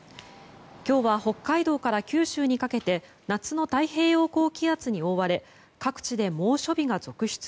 今日は北海道から九州にかけて夏の太平洋高気圧に覆われ各地で猛暑日が続出。